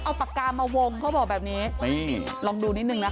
เอาปากกามาวงเขาบอกแบบนี้นี่ลองดูนิดนึงนะคะ